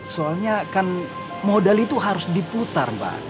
soalnya kan modal itu harus diputar mbak